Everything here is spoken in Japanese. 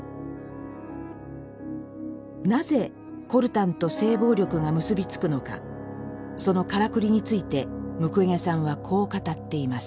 なぜコルタンと性暴力が結び付くのかそのからくりについてムクウェゲさんはこう語っています。